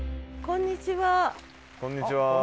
こんにちは。